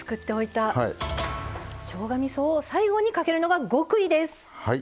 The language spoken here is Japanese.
しょうがみそを最後にかけるのが極意です。